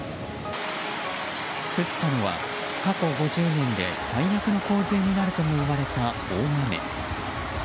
降ったのは過去５０年で、最悪の洪水になるともいわれた大雨。